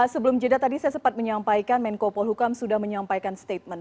sebelum jeda tadi saya sempat menyampaikan menko polhukam sudah menyampaikan statement